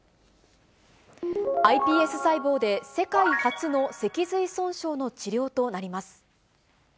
ｉＰＳ細胞で世界初の脊髄損傷の治療となります。